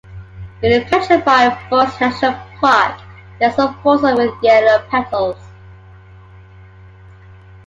In the Petrified Forest’s National Park there’s a fossil with yellow petals.